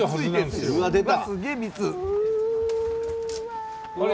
すげえ蜜。